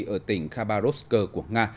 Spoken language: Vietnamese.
ở tỉnh khabarovsk của nga